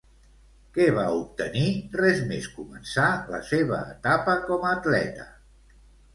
Què va obtenir res més començar la seva etapa com atleta?